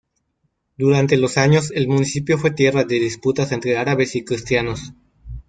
Durante los años el municipio fue tierra de disputas entre árabes y cristianos.